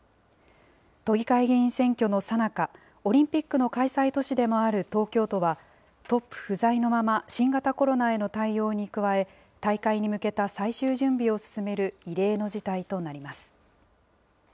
都議会議員選挙のさなか、オリンピックの開催都市でもある東京都は、トップ不在のまま新型コロナへの対応に加え、大会に向けた最終準備を進める異例の事態となります。